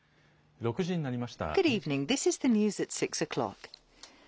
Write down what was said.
６時になりました。